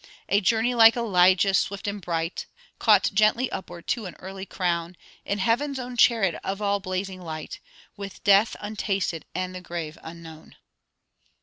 'A journey like Elijah's, swift and bright, Caught gently upward to an early crown, In heaven's own chariot of all blazing light, With death untasted and the grave unknown.'"